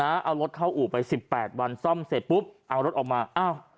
เอารถเข้าอู่ไปสิบแปดวันซ่อมเสร็จปุ๊บเอารถออกมาอ้าว